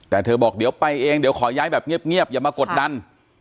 แต่เธอบอกเดี๋ยวไปเองเดี๋ยวขอย้ายแบบเงียบอย่ามากดดัน